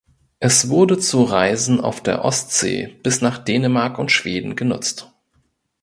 Es wurde zu Reisen auf der Ostsee bis nach Dänemark und Schweden genutzt.